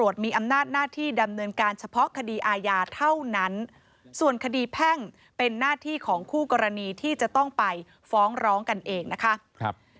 จะต้องไปฟ้องร้องกันเองนะคะ